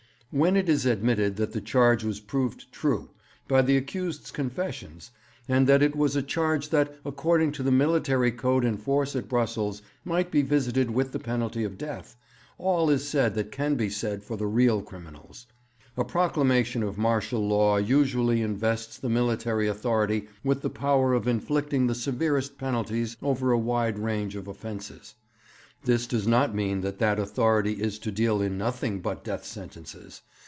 When it is admitted that the charge was proved true, by the accused's confessions, and that it was a charge that, according to the military code in force at Brussels, might be visited with the penalty of death, all is said that can be said for the real criminals. A proclamation of martial law usually invests the military authority with the power of inflicting the severest penalties over a wide range of offences. This does not mean that that authority is to deal in nothing but death sentences.